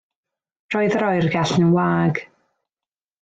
Roedd yr oergell yn wag.